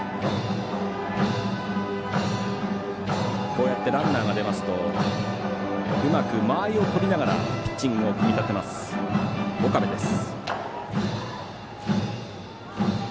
こうやってランナーが出ますとうまく間合いをとりながらピッチングを組み立てます岡部です。